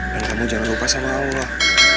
dan kamu jangan lupa sama allah